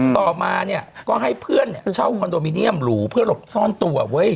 ต่อมาเนี่ยก็ให้เพื่อนเช่าคอนโดมิเนียมหรูเพื่อหลบซ่อนตัวเว้ย